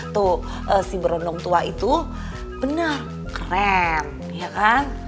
tuh si berondong tua itu benar keren ya kan